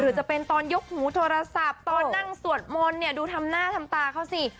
จะเป็นตอนยกหูโทรศัพท์ตอนนั่งสวดมนต์เนี่ยดูทำหน้าทำตาเขาสิ